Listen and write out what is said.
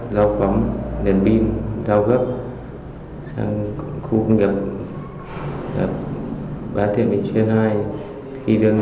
giao phóng nền pin giao gấp sang khu nghiệp bán thiện bình xuyên hai